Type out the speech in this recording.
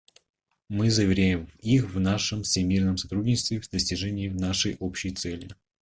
Мы заверяем их в нашем всемерном сотрудничестве в достижении нашей общей цели.